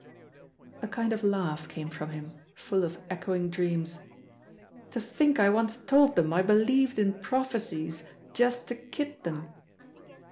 A kind of laugh came from him, full of echoing dreams "To think I once told them I believed in prophecies, just to kid them!"